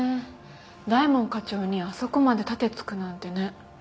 大門課長にあそこまで盾突くなんてね。